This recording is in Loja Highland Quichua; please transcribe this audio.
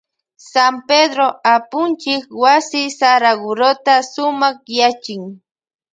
San Pedró apunchik wasi Saragurota sumakyachin.